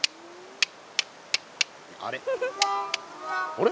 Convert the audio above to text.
あれ？